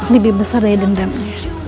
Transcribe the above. lebih besar dari dendamnya